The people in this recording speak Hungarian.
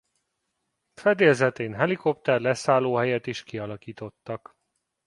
Fedélzetén helikopter leszállóhelyet is kialakítottak.